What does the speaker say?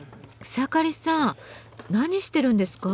草刈さん何してるんですか？